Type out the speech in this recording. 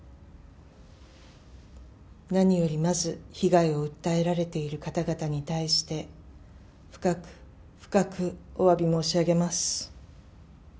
何よりまず、被害を訴えられている方々に対して、深く深くおわび申し上げます。